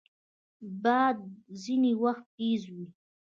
باد ځینې وخت تیز وي